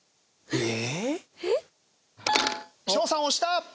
えっ？